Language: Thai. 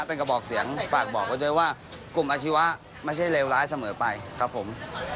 เป็นกระบอกเสียงฝากบอกไว้ด้วยว่ากลุ่มอาชีวะไม่ใช่เลวร้ายเสมอไปครับผม